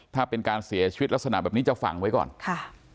ถ้าเป็นการเสียชีวิตลักษณะแบบนี้จะฝังไว้ก่อนค่ะ